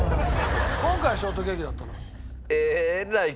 今回はショートケーキだったの？